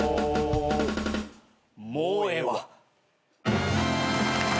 もうええわ。